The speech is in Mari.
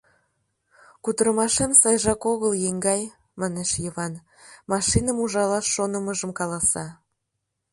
— Кутырымашем сайжак огыл, еҥгай, — манеш Йыван, машиным ужалаш шонымыжым каласа.